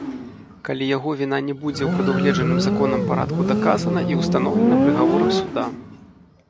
Калі яго віна не будзе ў прадугледжаным законам парадку даказана і ўстаноўлена прыгаворам суда.